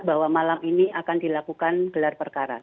bahwa malam ini akan dilakukan gelar perkara